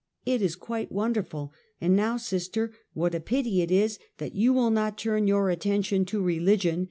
It is quite wonderful, and now, sister, what a pity it is that you will not turn your attention to religion.